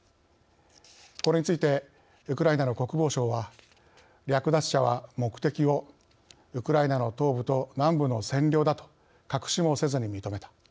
これについてウクライナの国防省は「略奪者は目的をウクライナの東部と南部の占領だと隠しもせずに認めた。